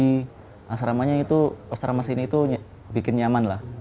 jadi asramanya itu asrama sini itu bikin nyaman lah